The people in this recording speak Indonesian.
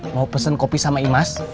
mau pesen kopi sama imas